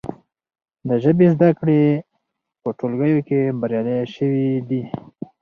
د ژبې زده کړې په ټولګیو کې بریالۍ شوي دي.